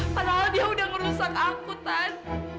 padahal dia udah ngerusak aku kan